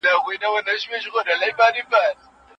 يوه غټ سترگې دومره لېونتوب ته رسيدلې